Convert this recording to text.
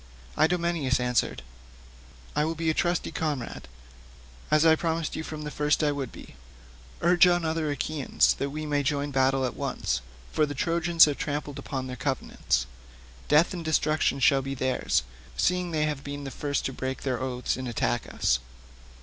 Idomeneus answered, "I will be a trusty comrade, as I promised you from the first I would be. Urge on the other Achaeans, that we may join battle at once, for the Trojans have trampled upon their covenants. Death and destruction shall be theirs, seeing they have been the first to break their oaths and to attack us."